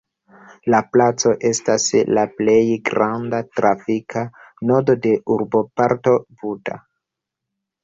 La placo estas la plej granda trafika nodo de urboparto Buda.